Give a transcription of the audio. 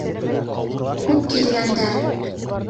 Күп килгәндәр.